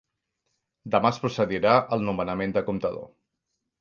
Demà es procedirà al nomenament de comptador.